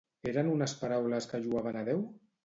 Eren unes paraules que lloaven a Déu?